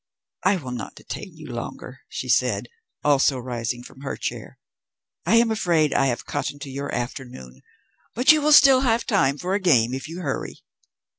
"I will not detain you longer," she said, also rising from her chair. "I am afraid I have cut into your afternoon, but you will still have time for a game if you hurry."